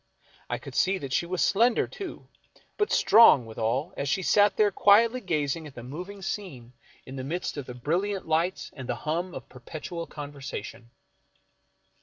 I could see that she was slender too, but strong withal, as she sat there quietly gazing at the moving scene 32 F. Marion Crazvford in the midst of the brilHant lights and the hum of perpetual conversation.